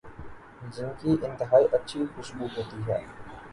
جن کی انتہائی اچھی خوشبو ہوتی ہے